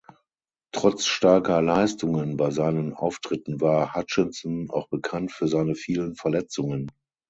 Trotz starker Leistungen bei seinen Auftritten war Hutchinson auch bekannt für seine vielen Verletzungen.